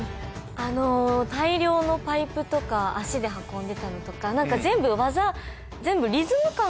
あの大量のパイプとか足で運んでたのとかなんか全部技。